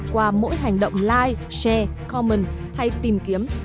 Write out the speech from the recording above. qua mỗi hành động like share comment hay tìm kiếm